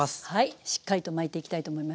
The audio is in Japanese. しっかりと巻いていきたいと思います。